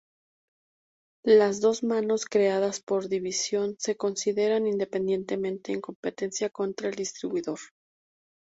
Las dos manos creadas por división se consideran independientemente en competencia contra el distribuidor.